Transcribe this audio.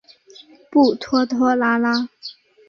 不拖拖拉拉。